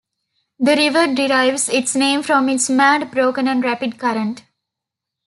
The river derives its name from its mad, broken and rapid current.